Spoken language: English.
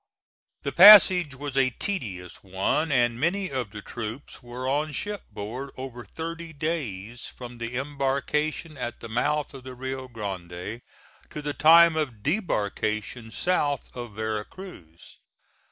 The passage was a tedious one, and many of the troops were on shipboard over thirty days from the embarkation at the mouth of the Rio Grande to the time of debarkation south of Vera Cruz.